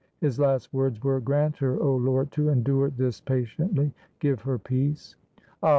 His last words were, ''Grant her, 0 Lord, to endure this patiently; give her peace!" Ah!